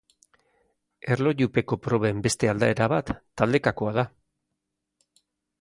Erlojupeko proben beste aldaera bat, taldekakoa da.